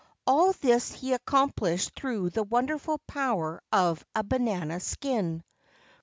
All this he accom¬ plished through the wonderful power of a banana skin.